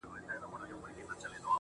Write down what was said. زه د هنرونو له کماله وځم~